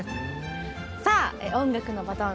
さあ音楽のバトン